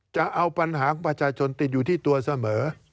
จะเอาปัญหาของประชาชนติดอยู่ที่ตัวเสมอ